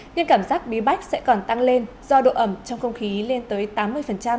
nên cảm giác bí bách sẽ còn tăng lên do độ ẩm trong không khí lên tới tám mươi